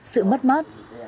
sự mất mát